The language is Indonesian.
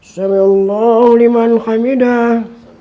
salamu'alaikum warahmatullahi wabarakatuh